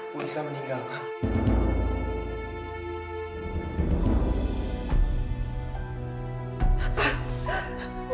polisi meninggal mak